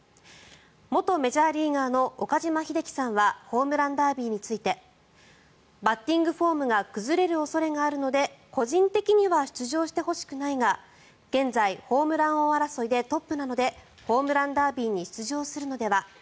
元メジャーリーガーの岡島秀樹さんはホームランダービーについてバッティングフォームが崩れる恐れがあるので個人的には出場してほしくないが現在、ホームラン王争いでトップなのでホームランダービーに出場するのでは。